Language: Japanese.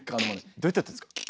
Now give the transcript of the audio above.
どうやってやってるんですか？